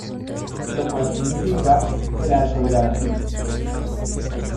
Lo cual significa, el arco de la vagina.